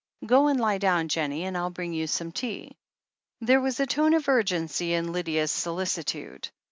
Go and lie down, Jennie, and I'll bring you some tea." There was a tone of urgency in Lydia's solicitude.